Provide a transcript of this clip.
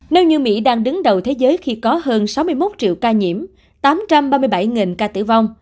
nếu như mỹ đang đứng đầu thế giới khi có hơn sáu mươi một triệu ca nhiễm tám trăm ba mươi bảy ca tử vong